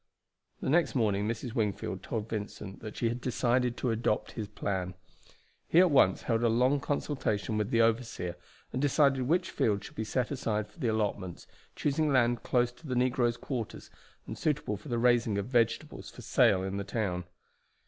The next morning Mrs. Wingfield told Vincent that she had decided to adopt his plan. He at once held a long consultation with the overseer, and decided which fields should be set aside for the allotments, choosing land close to the negroes' quarters and suitable for the raising of vegetables for sale in the town.